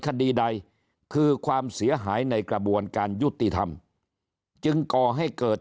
คดีใดคือความเสียหายในกระบวนการยุติธรรมจึงก่อให้เกิด